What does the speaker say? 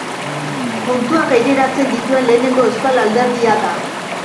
Kontuak aireratzen dituen lehenengo euskal alderdia da.